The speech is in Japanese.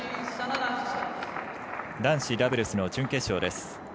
男子ダブルスの準決勝です。